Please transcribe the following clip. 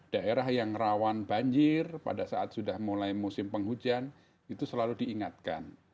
daerah yang rawan banjir pada saat sudah mulai musim penghujan itu selalu diingatkan